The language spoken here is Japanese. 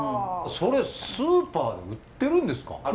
それスーパーで売ってるんですか？